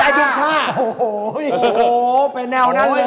โอ้โหเป็นแนวนั้นเลย